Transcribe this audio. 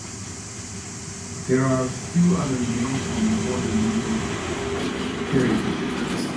There are few other remains from before the medieval period.